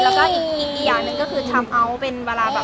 แล้วก็อีกอย่างนึงก็คือทำเอาเป็น